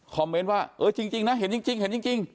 คอมเมนต์ว่าเออจริงนะเห็นจริง